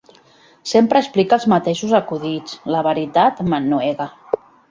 Sempre explica els mateixos acudits: la veritat, m'ennuega.